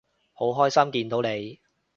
好開心見到你